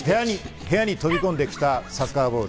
部屋に飛び込んできたサッカーボール。